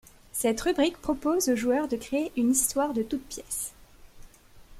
Cet rubrique propose au joueur de créer une histoire de toutes pièces.